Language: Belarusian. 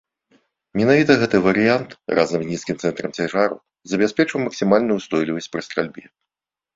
Менавіта гэты варыянт, разам з нізкім цэнтрам цяжару забяспечваў максімальную ўстойлівасць пры стральбе.